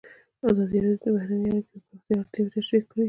ازادي راډیو د بهرنۍ اړیکې د پراختیا اړتیاوې تشریح کړي.